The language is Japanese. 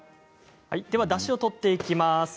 だしを取っていきます。